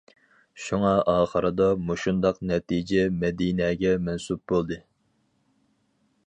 شۇڭا ئاخىرىدا مۇشۇنداق نەتىجە مەدىنەگە مەنسۇپ بولدى.